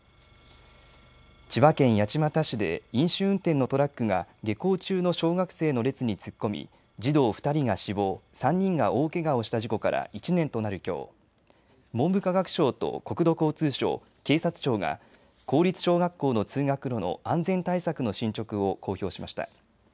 千葉県八街市で飲酒運転のトラックが下校中の小学生の列に突っ込み児童２人が死亡、３人が大けがをした事故から１年となるきょう文部科学省と国土交通省、警察庁が公立小学校の通学路の安全対策の進捗を公表しました。